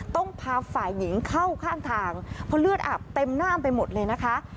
ต้องพาฝ่ายหญิงเข้าข้างทางเพราะเลือดอาบเต็มหน้าไปหมดเลยนะคะ